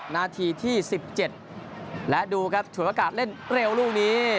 นาทีที่๑๗และดูครับฉวยโอกาสเล่นเร็วลูกนี้